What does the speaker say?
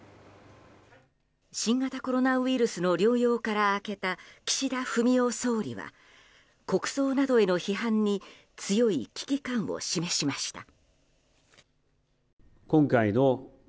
新型コロナウイルスの療養から明けた岸田文雄総理は国葬などへの批判に強い危機感を示しました。